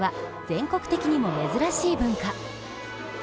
全国的にも珍しい文化。